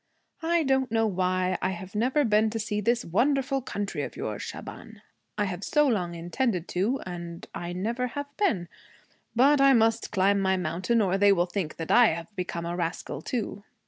'I don't know why I have never been to see this wonderful country of yours, Shaban. I have so long intended to, and I never have been. But I must climb my mountain or they will think that I have become a rascal too.'